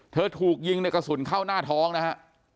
ถูกยิงในกระสุนเข้าหน้าท้องนะฮะ